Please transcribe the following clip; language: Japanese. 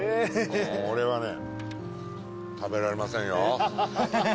これはね食べられませんよ。